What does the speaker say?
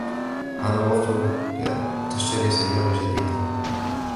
حان الوقت لأن تشتري سيارة جديدة.